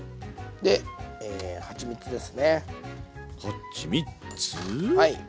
ではちみつですね。